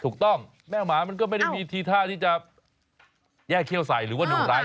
ถูกต้องแม่หมามันก็ไม่ได้มีทีท่าที่จะแยกเขี้ยวใสหรือว่าหนูร้ายนะ